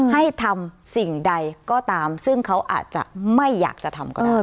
ให้ทำสิ่งใดก็ตามซึ่งเขาอาจจะไม่อยากจะทำก็ได้